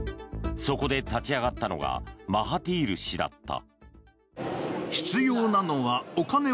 そこで立ち上がったのがマハティール氏だった。